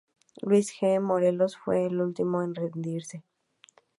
Luis G. Morelos fue el último en rendirse.